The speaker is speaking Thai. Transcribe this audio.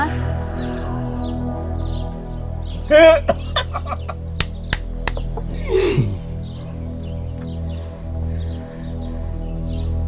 เฮ้ย